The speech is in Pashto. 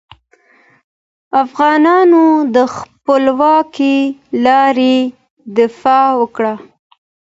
افغانانو د خپلواکې لارې دفاع وکړه.